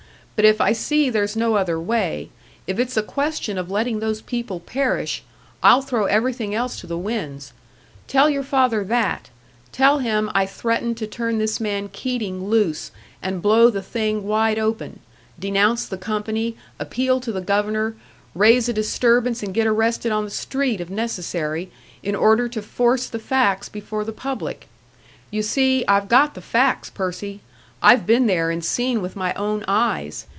But if I see there's no other way, if it's a question of letting those people perish, I'll throw everything else to the winds. Tell your father that; tell him I threatened to turn this man Keating loose and blow the thing wide open denounce the company, appeal to the Governor, raise a disturbance and get arrested on the street, if necessary, in order to force the facts before the public. You see, I've got the facts, Percy! I've been there and seen with my own eyes.